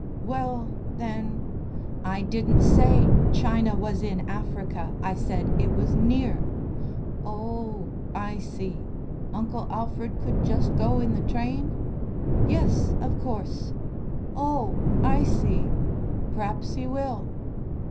"Well, then " "I didn't say China was in Africa. I said it was near." "Oh! I see. Uncle Alfred could just go in the train?" "Yes, of course." "Oh! I see. P'r'aps he will."